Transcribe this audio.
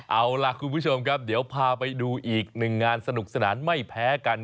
เอาล่ะคุณผู้ชมครับเดี๋ยวพาไปดูอีกหนึ่งงานสนุกสนานไม่แพ้กัน